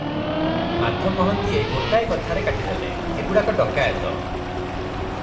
ମାଧ ମହାନ୍ତିଏ ଗୋଟାଏ କଥାରେ କାଟିଦେଲେ -ଏ ଗୁଡ଼ାକ ଡକାଏତ ।